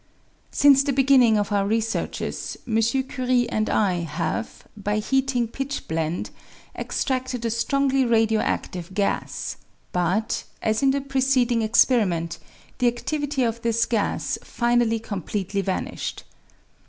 Since the beginning of our researches, M. Curie and I have, by heating pitchblende, extracted a strongly radio adlive gas, but, as in the preceding experiment, the adlivity of this gas finally completely vanished.